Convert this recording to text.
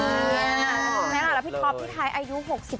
แล้วพี่ท็อปพี่ไทยอายุ๖๑